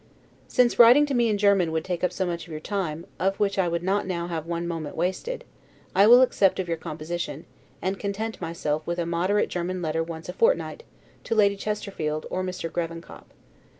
Since writing to me in German would take up so much of your time, of which I would not now have one moment wasted, I will accept of your composition, and content myself with a moderate German letter once a fortnight, to Lady Chesterfield or Mr. Gravenkop.